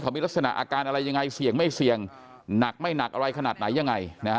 มีลักษณะอาการอะไรยังไงเสี่ยงไม่เสี่ยงหนักไม่หนักอะไรขนาดไหนยังไง